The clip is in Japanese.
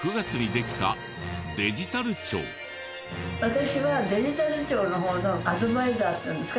私はデジタル庁の方のアドバイザーっていうんですか？